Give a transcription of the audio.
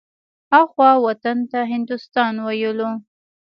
اخوا وطن ته هندوستان ويلو.